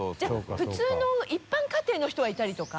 じゃあ普通の一般家庭の人はいたりとか？